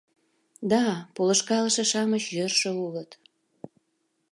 — Да, полышкалыше-шамыч йӧршӧ улыт.